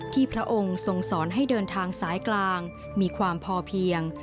พระองค์ทรงสอนให้เดินทางสายกลางมีความพอเพียง